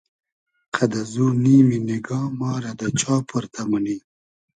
قئد ازو نیمی نیگا ما رۂ دۂ چا پۉرتۂ مونی